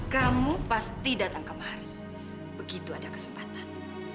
kamu pasti datang kemahari begitu ada kesempatan